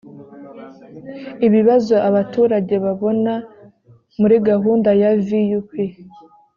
ibibazo abaturage babona muri gahunda ya vup